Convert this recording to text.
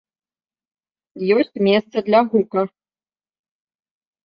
Ёсць месца для гука.